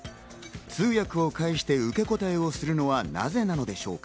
通訳を介して受け答えをするのは、なぜなのでしょうか。